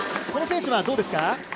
この選手はどうですか？